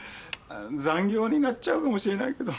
残業になっちゃうかもしれないけど。